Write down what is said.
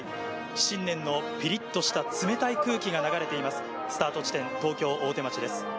新年のピリっとした冷たい空気が流れています、スタート地点の東京・大手町です。